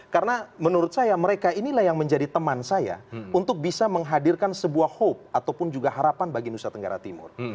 karena menurut saya mereka inilah yang menjadi teman saya untuk bisa menghadirkan sebuah harapan bagi nusa tenggara timur